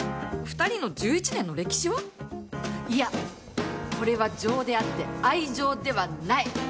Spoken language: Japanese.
２人の１１年の歴史は？いや、これは情であって愛情ではない！